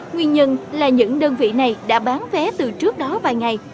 nguyên nhân là những đơn vị này đã bán vé từ trước đó vài ngày